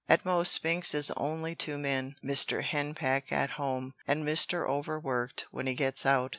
At most Spinks is only two men Mr. Henpeck at home and Mr. Overworked when he gets out."